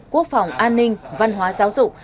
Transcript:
quốc phòng an ninh văn hóa giáo dục